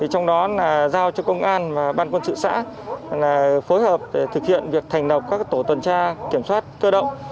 trong đó giao cho công an và ban quân sự xã phối hợp để thực hiện việc thành độc các tổ tuần tra kiểm soát cơ động